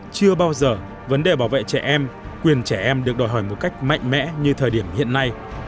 chưa bao giờ vấn đề bảo vệ trẻ em quyền trẻ em được đòi hỏi một cách mạnh mẽ như thời điểm hiện nay